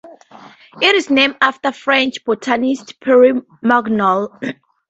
It is named after French botanist Pierre Magnol.